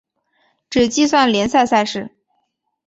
只计算联赛赛事。